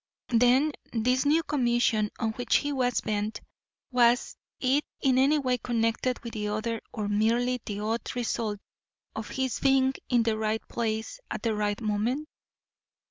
Then this new commission on which he was bent was it in any way connected with the other, or merely the odd result of his being in the right place at the right moment?